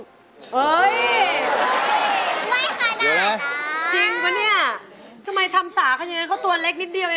ทำไมทำสาเขาอย่างนี้เขาตัวเล็กนิดเดียวเอง